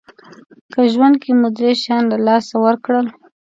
که ژوند کې مو درې شیان له لاسه ورکړل